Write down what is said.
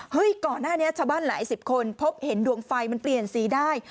ก่อนหน้านี้ชาวบ้านหลายสิบคนพบเห็นดวงไฟมันเปลี่ยนสีได้